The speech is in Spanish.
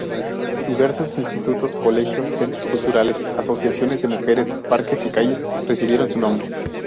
Diversos institutos, colegios, centros culturales, asociaciones de mujeres, parques y calles recibieron su nombre.